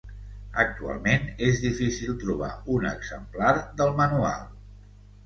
Actualment és difícil trobar un exemplar del manual.